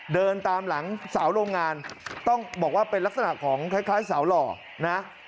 เดินตามหลังสาวโรงงานต้องบอกว่าเป็นลักษณะของคล้ายสาวหล่อนะ